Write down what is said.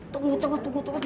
tunggu terus tunggu terus